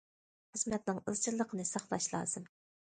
خىزمەتنىڭ ئىزچىللىقىنى ساقلاش لازىم.